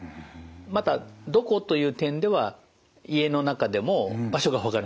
また「どこ」という点では家の中でも場所がわからない。